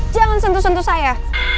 jangan sentuh sentuh saya